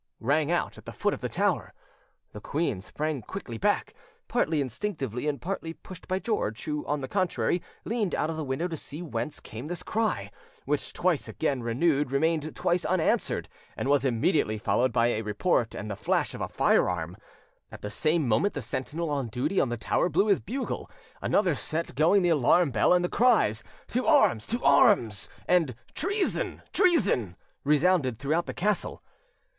rang out at the foot of the tower. The queen sprang quickly back, partly instinctively and partly pushed by George, who, on the contrary, leaned out of the window to see whence came this cry, which, twice again renewed, remained twice unanswered, and was immediately followed by a report and the flash of a firearm: at the same moment the sentinel on duty on the tower blew his bugle, another set going the alarm bell, and the cries, "To arms, to arms!" and "Treason, treason!" resounded throughout the castle.